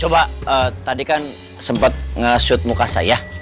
coba tadi kan sempet nge shoot muka saya